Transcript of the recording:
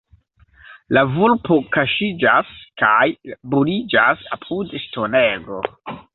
La vulpo kaŝiĝas kaj buliĝas apud ŝtonego.